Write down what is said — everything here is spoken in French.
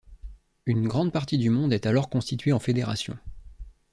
Une grande partie du Monde est alors constituée en Fédération.